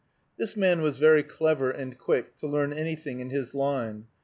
This man was very clever and quick to learn anything in his line.